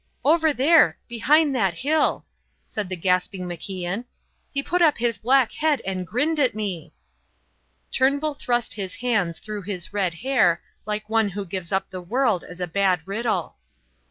"Over there behind that hill," said the gasping MacIan. "He put up his black head and grinned at me." Turnbull thrust his hands through his red hair like one who gives up the world as a bad riddle.